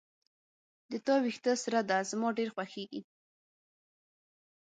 د تا وېښته سره ده زما ډیر خوښیږي